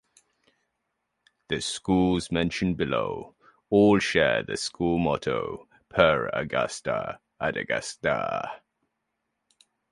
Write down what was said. The schools mentioned below all share the school motto: "Per Angusta Ad Augusta".